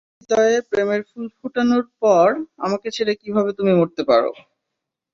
আমার হৃদয়ে প্রেমের ফুল ফোটানোর পর, আমাকে ছেড়ে কীভাবে তুমি মরতে পারো?